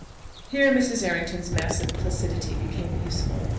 Here Mrs. Errington's massive placidity became useful.